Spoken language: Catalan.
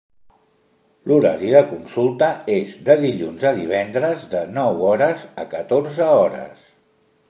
L'horari de consulta és de dilluns a divendres de nou hores a catorze hores.